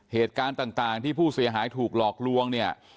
เหตุการณ์ต่างที่ผู้เสียหายถูกหลอกลวงเนี่ย